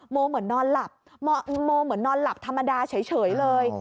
เหมือนนอนหลับโมเหมือนนอนหลับธรรมดาเฉยเลย